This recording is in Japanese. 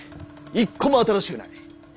一個も新しゅうない。